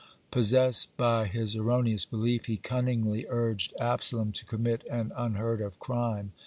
(66) Possessed by his erroneous belief, he cunningly urged Absalom to commit an unheard of crime.